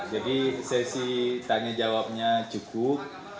sesi tanya jawabnya cukup